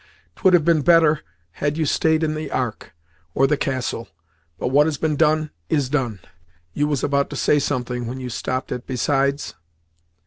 'Twould have been better had you staid in the Ark, or the castle, but what has been done, is done. You was about to say something, when you stopped at 'besides'?"